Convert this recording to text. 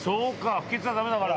不潔はダメだから。